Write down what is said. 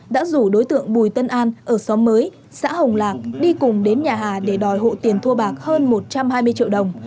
đã rủ đối tượng bùi tân an ở xóm mới xã hồng lạc đi cùng đến nhà hà để đòi hộ tiền thu bạc hơn một trăm hai mươi triệu đồng